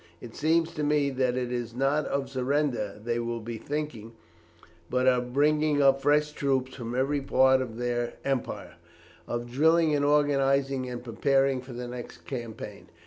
It seems to me that it is not of surrender they will be thinking, but of bringing up fresh troops from every part of their empire, of drilling and organizing and preparing for the next campaign.